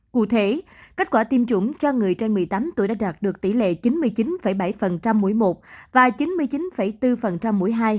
cụ thể kết quả tiêm chủng cho người trên một mươi tám tuổi đã đạt được tỷ lệ chín mươi chín bảy mỗi một và chín mươi chín bốn mỗi hai